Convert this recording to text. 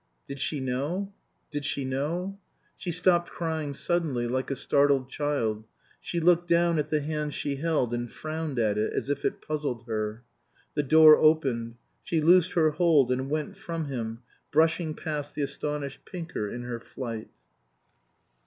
Did she know? Did she know? She stopped crying suddenly, like a startled child. She looked down at the hand she held and frowned at it, as if it puzzled her. The door opened. She loosed her hold and went from him, brushing past the astonished Pinker in her flight.